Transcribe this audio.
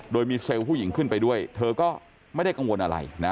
โดยมีเซลล์ผู้หญิงขึ้นไปด้วยเธอก็ไม่ได้กังวลอะไรนะ